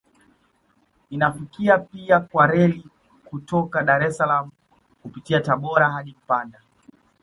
Inafikika pia kwa reli kutoka Dar es Salaam kupitia Tabora hadi mpanda